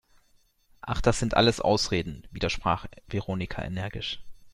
Ach, das sind alles Ausreden!, widersprach Veronika energisch.